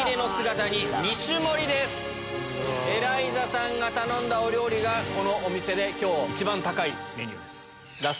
エライザさんが頼んだお料理がこのお店で今日一番高いメニューです。